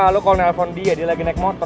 lo kalau nelfon dia dia lagi naik motor